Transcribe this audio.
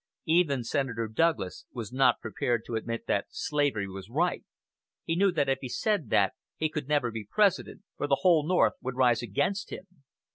Even Senator Douglas was not prepared to admit that slavery was right. He knew that if he said that he could never be President, for the whole North would rise against him.